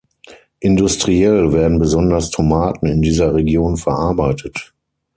Industriell werden besonders Tomaten in dieser Region verarbeitet.